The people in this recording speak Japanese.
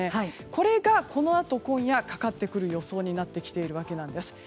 これがこのあと今夜かかってくる予想になってきているわけです。